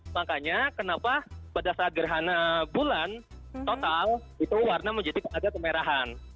makanya kenapa pada saat gerhana bulan total itu warna menjadi agak kemerahan